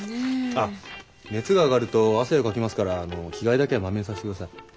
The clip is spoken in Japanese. あっ熱が上がると汗をかきますから着替えだけはまめにさせてください。